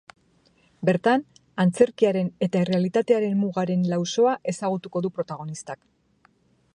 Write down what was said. Bertan, antzerkiaren eta errealitatearen mugaren lausoa ezagutuko du protagonistak.